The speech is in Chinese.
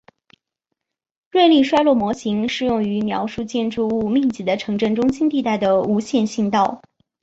瑞利衰落模型适用于描述建筑物密集的城镇中心地带的无线信道。